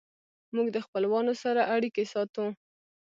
موږ د خپلوانو سره اړیکې ساتو.